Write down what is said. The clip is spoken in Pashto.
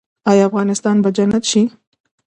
آیا افغانستان به جنت شي؟